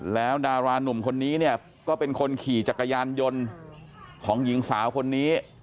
แล้วดารานุ่มคนนี้เนี่ยก็เป็นคนขี่จักรยานยนต์ของหญิงสาวคนนี้